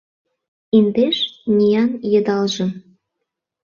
Индеш ниян йыдалжым